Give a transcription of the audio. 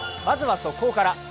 まずは速報から。